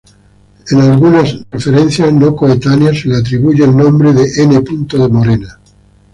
En algunas referencias, no coetáneas, se le atribuye el nombre de "N. de Morena.